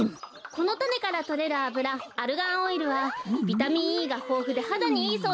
このたねからとれるあぶらアルガンオイルはビタミンＥがほうふではだにいいそうですよ。